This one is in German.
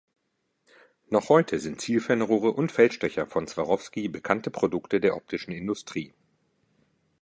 Noch heute sind Zielfernrohre und Feldstecher von Swarovski bekannte Produkte der optischen Industrie.